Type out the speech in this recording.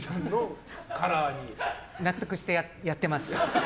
納得してやってます。